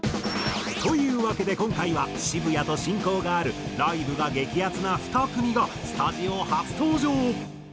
というわけで今回は渋谷と親交があるライブが激アツな２組がスタジオ初登場！